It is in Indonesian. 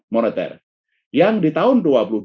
moneter yang di tahun